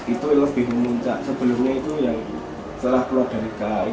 itu lebih muncak sebelumnya itu yang telah keluar dari kak itu